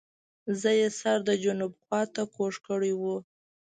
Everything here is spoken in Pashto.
زه یې سر د جنوب خواته کوږ کړی وو.